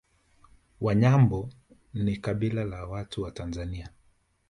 Wanyambo ni kabila la watu wa Tanzania